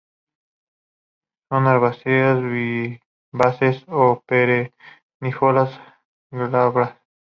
Son herbáceas, vivaces o perennifolias, glabras.